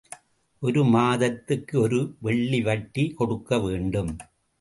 ஒரு மாதத்துக்கு ஒரு வெள்ளிவட்டி கொடுக்க வேண்டும்.